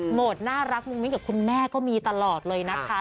หมดน่ารักมุ้งมิ้งกับคุณแม่ก็มีตลอดเลยนะคะ